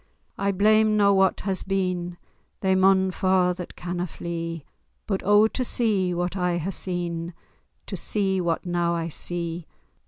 I blame na what has been— They maun fa' that canna flee— But oh, to see what I hae seen, To see what now I see!